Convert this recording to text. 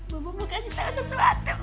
neng mau mau kasih tau sesuatu